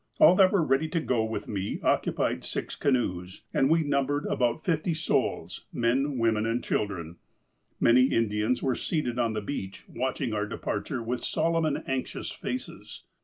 All that were ready to go with me occupied six canoes, and we numbered about fifty souls, men, women, and children. Many Indians were seated on the beach, watching our departure with solemn and anxious faces.